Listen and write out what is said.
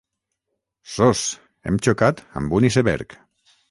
SOS, hem xocat amb un iceberg!